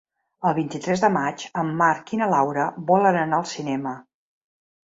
El vint-i-tres de maig en Marc i na Laura volen anar al cinema.